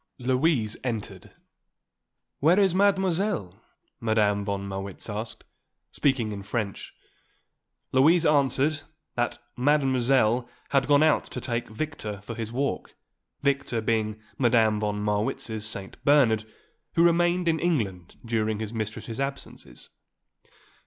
Louise entered. "Where is Mademoiselle?" Madame von Marwitz asked, speaking in French. Louise answered that Mademoiselle had gone out to take Victor for his walk, Victor being Madame von Marwitz's St. Bernard who remained in England during his mistress's absences.